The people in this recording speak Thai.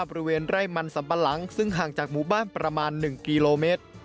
บริเวณไร่มันสัมปะหลังซึ่งห่างจากหมู่บ้านประมาณ๑กิโลเมตร